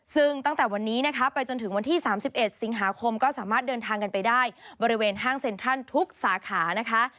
ซึ่งตั้งแต่วันนี้นะคะไปจนถึงวันที่๓๑สิงหาคมก็สามารถเดินทางกันไปได้บริเวณห้างเซ็นทรัลทุกสาขานะคะ